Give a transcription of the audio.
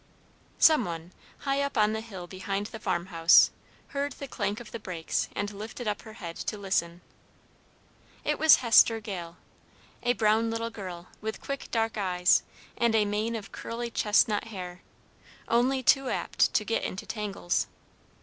Some one, high up on the hill behind the farmhouse, heard the clank of the brakes, and lifted up her head to listen. It was Hester Gale, a brown little girl, with quick dark eyes, and a mane of curly chestnut hair, only too apt to get into tangles.